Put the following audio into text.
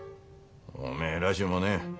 おめえらしゅうもねえ。